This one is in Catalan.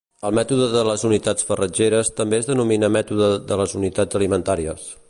El mètode de les unitats farratgeres també es denomina mètode de les unitats alimentàries.